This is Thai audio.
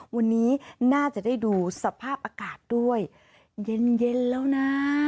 วันนี้น่าจะได้ดูสภาพอากาศด้วยเย็นแล้วนะ